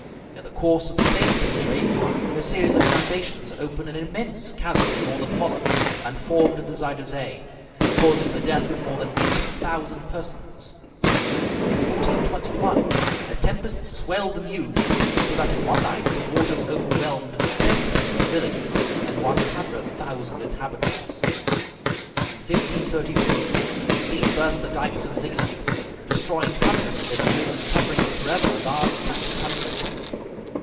In the course of the same century, a series of inundations opened an immense chasm in northern Holland, and formed the Zuyder Zee, causing the death of more than eighty thousand persons. In 1421 a tempest swelled the Meuse, so that in one night the waters overwhelmed seventy two villages and one hundred thousand inhabitants. In 1532 the sea burst the dikes of Zealand, destroying hundreds of villages, and covering forever a large tract of country.